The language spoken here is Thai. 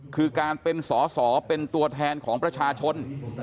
คือการเป็นสอสอเป็นตัวแทนของประชาชน